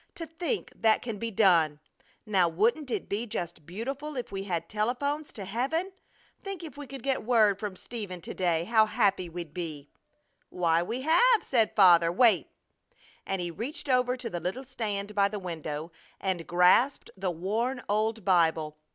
"To think that can be done! Now, wouldn't it be just beautiful if we had telephones to heaven! Think, if we could get word from Stephen to day, how happy we'd be!" "Why, we have!" said Father. "Wait!" and he reached over to the little stand by the window and grasped the worn old Bible.